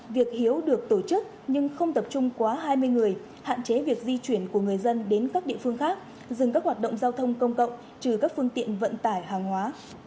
việc hiếu được tổ chức nhưng không tập trung quá hai mươi người hạn chế việc di chuyển của người dân đến các địa phương khác dừng các hoạt động giao thông công cộng trừ các phương tiện vận tải hàng hóa